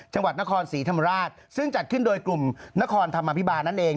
จังหวัดนครศรีธรรมราชซึ่งจัดขึ้นโดยกลุ่มนครธรรมภิบาลนั่นเอง